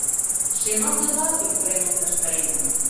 Шемалге калыкым кырен опташ каеныт.